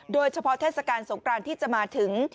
โดยเฉพาะเทศกาลสงกรานที่จะมาถึง